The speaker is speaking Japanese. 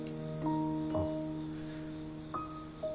あっ。